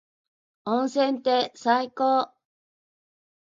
温泉って最高。